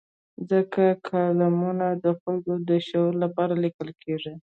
ځکه کالمونه د خلکو د شعور لپاره لیکل کېږي.